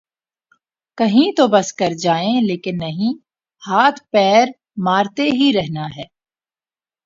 کہیں تو بس کر جائیں لیکن نہیں ‘ ہاتھ پیر مارتے ہی رہنا ہے۔